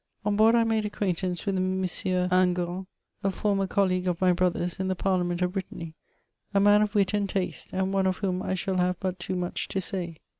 On board I made acquaintance vrith a M. Hin gant, a former ocdleague of my brother's in the pariiament of Brittany, a man of wit and taste, and one of whom I shall have but too much to say.